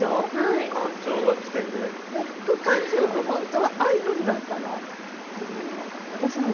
副館長は本当はアイドルだったの？